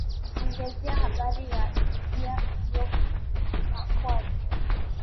Ongezea bahari ya Hindia iliyo pwani